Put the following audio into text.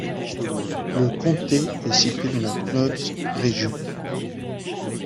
Le comté est situé dans la Knobs region.